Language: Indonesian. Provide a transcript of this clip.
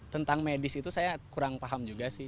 tentang medis itu saya kurang paham juga sih